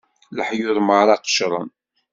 Leḥyuḍ merra qecren.